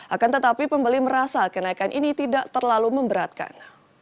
akan tetapi pembeli merasa kenaikan ini tidak terlalu memberatkan